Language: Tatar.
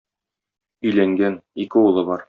Өйләнгән, ике улы бар.